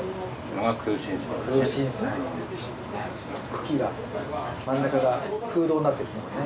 茎が真ん中が空洞になってるこれね。